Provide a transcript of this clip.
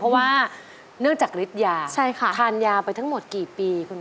เพราะว่าเนื่องจากริฐยาทานยาไปทั้งหมดกี่ปี